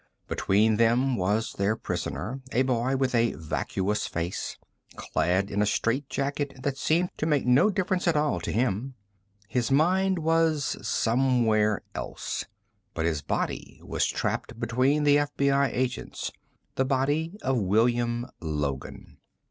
Between them was their prisoner, a boy with a vacuous face, clad in a strait jacket that seemed to make no difference at all to him. His mind was somewhere else. But his body was trapped between the FBI agents: the body of William Logan.